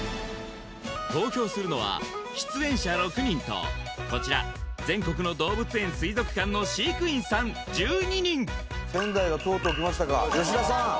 投票するのは出演者６人とこちら全国の動物園水族館の飼育員さん１２人吉田さん